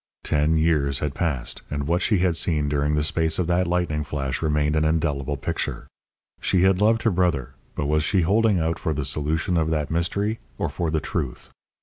Ten years had passed, and what she had seen during the space of that lightning flash remained an indelible picture. She had loved her brother, but was she holding out for the solution of that mystery or for the "Truth"?